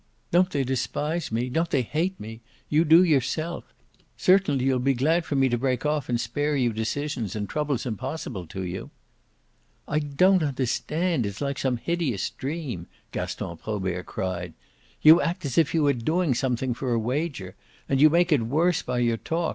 "Don't they despise me don't they hate me? You do yourself! Certainly you'll be glad for me to break off and spare you decisions and troubles impossible to you." "I don't understand; it's like some hideous dream!" Gaston Probert cried. "You act as if you were doing something for a wager, and you make it worse by your talk.